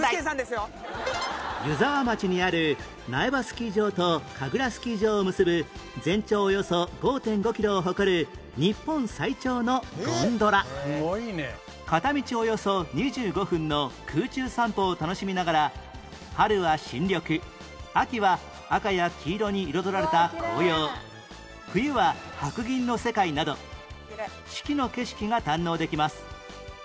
湯沢町にある苗場スキー場とかぐらスキー場を結ぶ全長およそ ５．５ キロを誇る日本最長のゴンドラ片道およそ２５分の空中散歩を楽しみながら春は新緑秋は赤や黄色に彩られた紅葉冬は白銀の世界など四季の景色が堪能できます